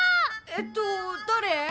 えっとだれ？